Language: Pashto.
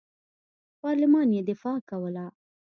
پارلمان یې دفاع کوله.